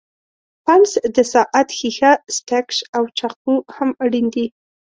پنس، د ساعت ښيښه، ستکش او چاقو هم اړین دي.